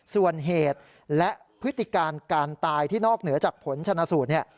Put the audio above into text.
ส่วนเหตุและพฤติการการตายที่นอกเหนือจากผลชนะสูตรเนี่ย